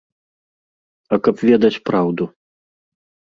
А каб ведаць праўду.